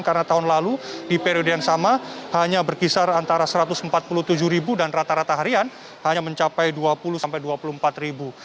karena tahun lalu di periode yang sama hanya berkisar antara satu ratus empat puluh tujuh ribu dan rata rata harian hanya mencapai dua puluh sampai dua puluh empat ribu